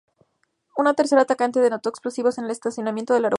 Un tercer atacante detonó explosivos en el estacionamiento del aeropuerto.